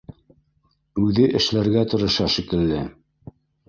Үҙе эшләргә тырыша шикелле